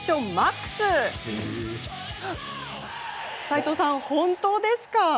斎藤さん、本当ですか？